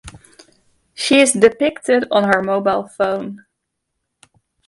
She is depicted on her mobile phone.